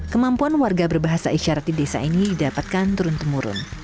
kemampuan warga berbahasa isyarat di desa ini didapatkan turun temurun